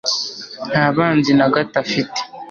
Nta banzi na gato afite